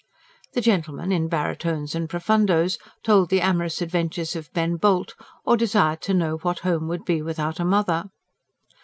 The gentlemen, in baritones and profundos, told the amorous adventures of Ben Bolt; or desired to know what Home would be Without a Mother.